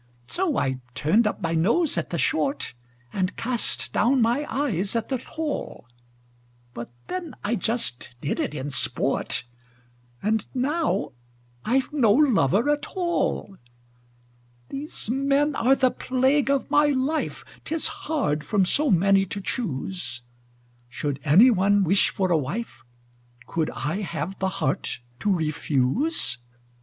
So I turned up my nose at the short, And cast down my eyes at the tall; But then I just did it in sport And now I've no lover at all! These men are the plague of my life: 'Tis hard from so many to choose! Should any one wish for a wife, Could I have the heart to refuse?